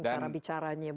cara bicaranya bagus